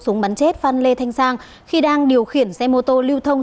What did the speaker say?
súng bắn chết phan lê thanh sang khi đang điều khiển xe mô tô lưu thông